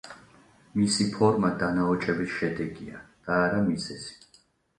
მისი ფორმა დანაოჭების შედეგია, და არა მიზეზი.